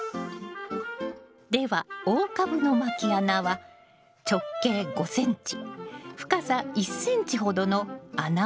では大株のまき穴は直径５ｃｍ深さ１ｃｍほどの穴を２つ。